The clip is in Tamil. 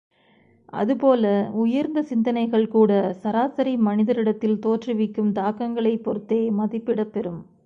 அதுபோல, உயர்ந்த சிந்தனைகள் கூட சராசரி மனிதரிடத்தில் தோற்றுவிக்கும் தாக்கங்களைப் பொறுத்தே மதிப்பிடப் பெறும்.